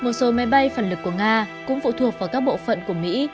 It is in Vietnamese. một số máy bay phản lực của nga cũng phụ thuộc vào các bộ phận của mỹ